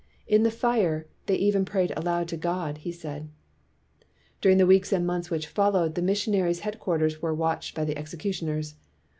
"In the fire, they even prayed aloud to God," he said. During the weeks and months which fol lowed, the missionaries' headquarters were watched by the executioners.